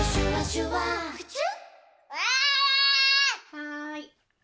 はい。